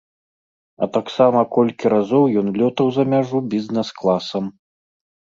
А таксама колькі разоў ён лётаў за мяжу бізнэс-класам.